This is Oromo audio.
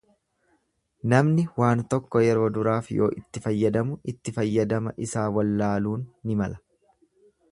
Namni waan tokko yeroo duraaf yoo itti fayyadamu itti fayyadama isaa wallaaluun ni mala.